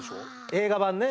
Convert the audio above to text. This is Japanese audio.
映画版ね。